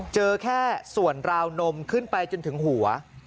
เจอแค่ส่วนราวนมขึ้นไปจนถึงหัว